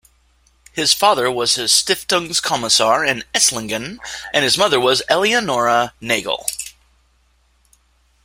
His father was a "Stiftungs-Commissar" in Esslingen and his mother was Eleonora Nagel.